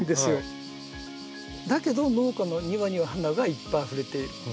だけど農家の庭には花がいっぱいあふれている。